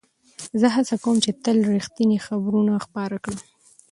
زه هڅه کوم چې تل رښتیني خبرونه خپاره کړم.